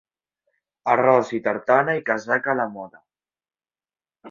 Arròs i tartana i casaca a la moda.